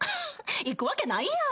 行くわけないやん！